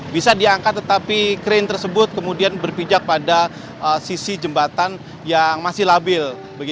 bisa diangkat tetapi krain tersebut kemudian berpijak pada sisi jembatan yang masih labil